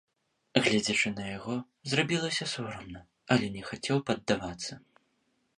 Гледзячы на яго, зрабілася сорамна, але не хацеў паддавацца.